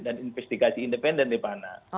dan investigasi independen di mana